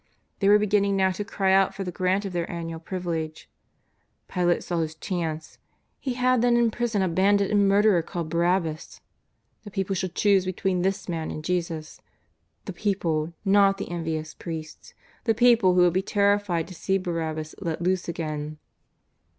They were beginning now to cry out for the grant of their annual privilege. Pilate saw his chance. He had then in prison a bandit and murderer called Earabbas. The people should choose between this man and Jesus — the people, not the envious priests, the peo ple who would be terrified to see Barabbas let loose again.